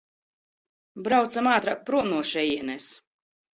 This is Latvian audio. Braucam ātrāk prom no šejienes!